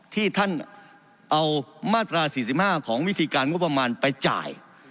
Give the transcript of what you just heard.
ที่ท่านเอามาตรา๔๕ของวิธีการงบประมาณไปจ่าย